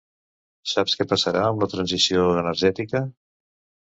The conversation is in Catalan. Saps què passarà amb la transició energètica?